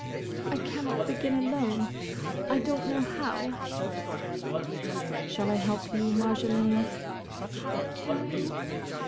"I cannot begin alone: I don't know how." "Shall I help you, Marjolaine?" "Can you?"